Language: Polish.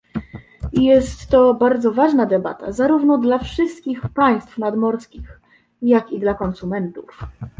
Jest to bardzo ważna debata zarówno dla wszystkich państw nadmorskich, jak i dla konsumentów